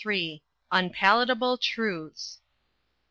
UNPALATABLE TRUTHS.